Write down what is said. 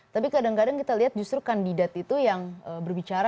tapi kadang kadang kita lihat justru kandidat itu yang berbicara